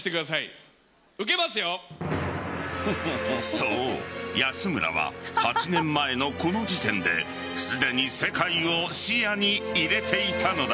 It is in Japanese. そう、安村は８年前のこの時点ですでに世界を視野に入れていたのだ。